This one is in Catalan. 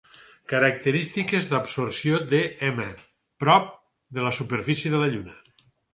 Característiques d'absorció de M prop de la superfície de la lluna.